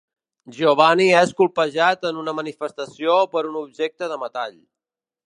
Giovanni és colpejat en una manifestació per un objecte de metall.